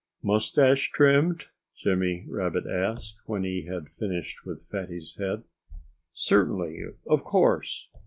"Moustache trimmed?" Jimmy Rabbit asked, when he had finished with Fatty's head. "Certainly of course!"